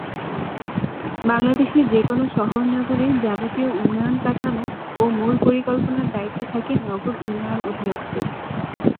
বাংলাদেশের যে কোনো শহর-নগরীর যাবতীয় উন্নয়ন কাঠামো ও মূল পরিকল্পনার দায়িত্বে থাকে নগর উন্নয়ন অধিদপ্তর।